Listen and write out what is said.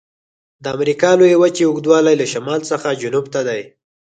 د امریکا د لویې وچې اوږدوالی له شمال څخه جنوب ته دی.